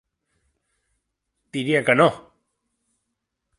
Diria que no!